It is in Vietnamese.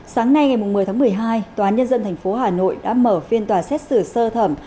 sáng nay ngày một mươi tháng một mươi hai tòa án nhân dân thành phố hà nội đã mở phiên tòa xét xử sơ thẩm